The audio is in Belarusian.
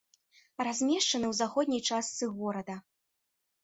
Размешчаны ў заходняй частцы горада.